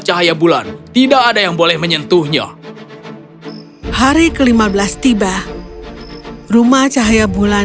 cahaya bulan tidak ada yang boleh menyentuhnya hari ke lima belas tiba rumah cahaya bulan